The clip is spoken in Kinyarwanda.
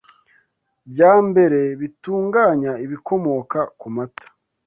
bya mbere bitunganya ibikomoka ku mata